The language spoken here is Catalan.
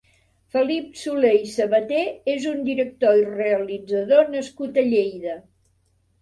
Felip Solé i Sabaté és un director i realitzador nascut a Lleida.